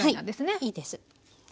いいです。